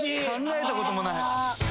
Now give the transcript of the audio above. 考えたこともない。